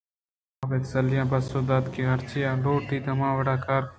کاف ءَپہ تسلّا پسو دات کہ ہرچی آ لوٹیت ہماوڑا کار بنت